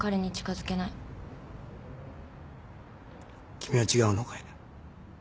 君は違うのかいな？